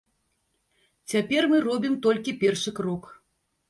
Цяпер мы робім толькі першы крок.